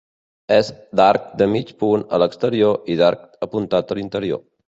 És d'arc de mig punt a l'exterior i d'arc apuntat a l'interior.